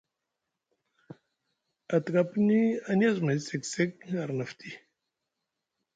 A tika pini a niya azumay sek sek arni afti.